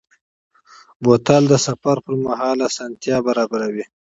بوتل د سفر پر مهال آسانتیا برابروي.